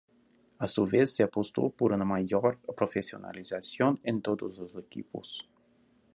A su vez, se apostó por una mayor profesionalización en todos los equipos.